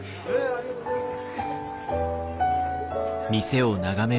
ありがとうございます！